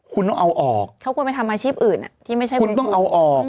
คุณต้องเอาออกถ้าคุณไปทำอาชีพอื่นที่ไม่ใช่คุณต้องเอาออก